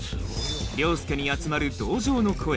凌介に集まる同情の声